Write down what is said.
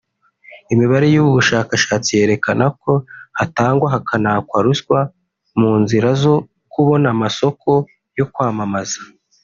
Imibare y’ubu bushakashatsi yerekana ko hatangwa hakanakwa ruswa mu nzira zo kubona amasoko yo kwamamaza